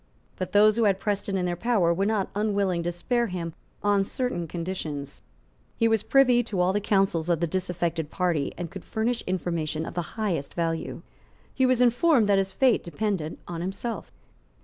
But those who had Preston in their power were not unwilling to spare him on certain conditions. He was privy to all the counsels of the disaffected party, and could furnish information of the highest value. He was informed that his fate depended on himself.